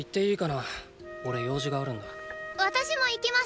私も行きます。